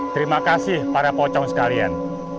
terima kasih para pocong sekalian